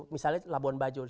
misalnya labuan bajo